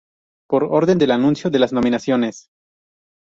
Por orden de anuncio de las nominaciones.